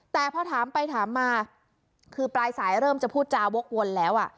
แต่พอถามไปถามมาคือปลายสายเริ่มจะพูดจาวกวนแล้ว